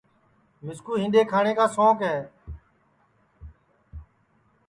مِسکُو ہِنڈؔے کھاٹؔیں سونٚک ہے